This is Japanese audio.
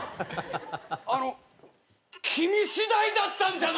あの君しだいだったんじゃない？